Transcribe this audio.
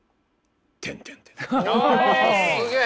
おすげえ！